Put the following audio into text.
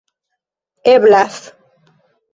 eblas